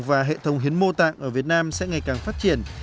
và hệ thống hiến mô tạng ở việt nam sẽ ngày càng phát triển